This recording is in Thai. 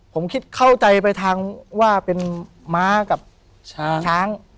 ผมคิดเข้าใจไปทางว่าเป็นม้ากับช้างช้าง